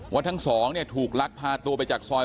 ว่าทั้งสองเนี่ยถูกลักพาตัวไปจากซอย